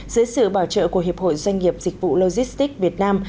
dưới sự bảo trợ của hiệp hội doanh nghiệp dịch vụ logistics việt nam